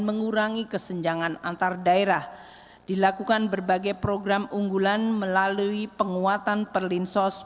mengurangi kesenjangan antar daerah dilakukan berbagai program unggulan melalui penguatan perlinsos